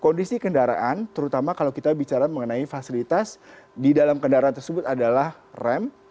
kondisi kendaraan terutama kalau kita bicara mengenai fasilitas di dalam kendaraan tersebut adalah rem